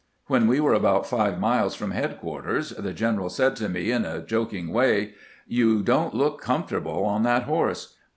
When we were about five miles from headquarters the general said to me in a joking way :" You don't look comfort able on that horse.